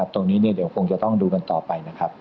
ตรงนี้คงจะต้องดูกันต่อไป